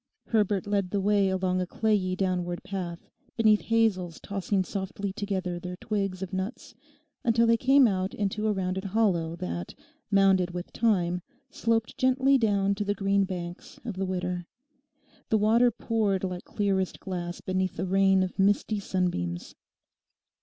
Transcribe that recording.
Herbert led the way along a clayey downward path beneath hazels tossing softly together their twigs of nuts, until they came out into a rounded hollow that, mounded with thyme, sloped gently down to the green banks of the Widder. The water poured like clearest glass beneath a rain of misty sunbeams.